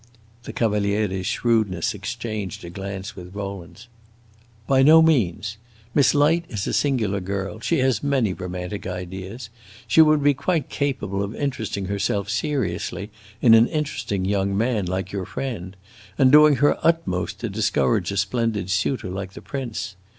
The Cavaliere's shrewdness exchanged a glance with Rowland's. "By no means. Miss Light is a singular girl; she has many romantic ideas. She would be quite capable of interesting herself seriously in an interesting young man, like your friend, and doing her utmost to discourage a splendid suitor, like the prince.